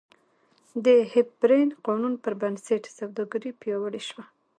د هیپبرن قانون پربنسټ سوداګري پیاوړې شوه.